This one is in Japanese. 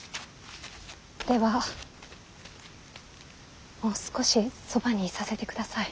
ではもう少しそばにいさせてください。